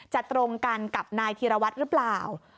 ตรงกันกับนายธีรวัตรหรือเปล่า